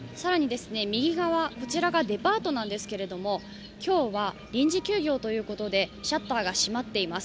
更に、右側がデパートなんですけれども、今日は臨時休業ということでシャッターが閉まっています。